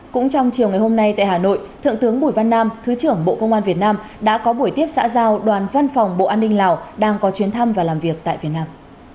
cũng trong chiều ngày hôm nay tại hà nội thượng tướng bùi văn nam thứ trưởng bộ công an việt nam đã có buổi tiếp xã giao đoàn văn phòng bộ an ninh lào đang có chuyến thăm và làm việc tại việt nam